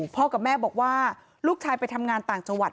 กับแม่บอกว่าลูกชายไปทำงานต่างจังหวัด